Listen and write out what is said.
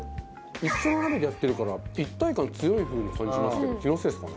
一緒の鍋でやってるから一体感強い風に感じますけど気のせいですかね？